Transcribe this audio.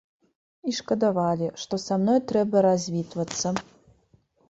І шкадавалі, што са мной трэба развітвацца.